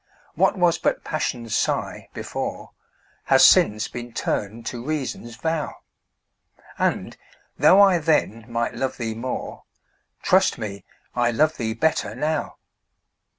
What was but Passion's sigh before, Has since been turned to Reason's vow; And, though I then might love thee more, Trust me, I love thee better now.